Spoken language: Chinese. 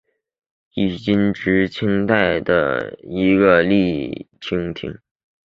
黔彭直隶厅是清代的一个直隶厅。